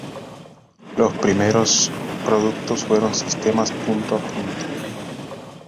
Los primeros productos fueron sistemas "punto a punto".